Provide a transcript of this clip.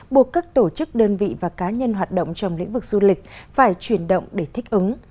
buộc các tổ chức đơn vị và cá nhân hoạt động trong lĩnh vực du lịch phải chuyển động để thích ứng